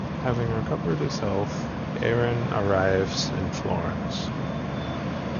Having recovered his health, Aaron arrives in Florence.